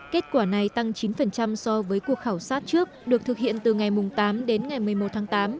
kết quả này tăng chín so với cuộc khảo sát trước được thực hiện từ ngày tám đến ngày một mươi một tháng tám